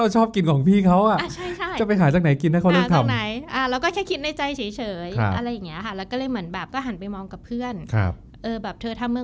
ใจง่าย๒คนหนูเจอกันครับ